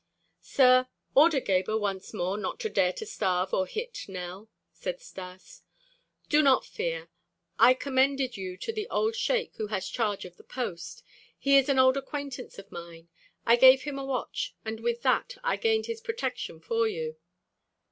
"Sir, order Gebhr once more not to dare to starve or hit Nell," said Stas. "Do not fear. I commended you to the old sheik who has charge of the post. He is an old acquaintance of mine. I gave him a watch and with that I gained his protection for you."